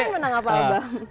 kemarin menang apa bang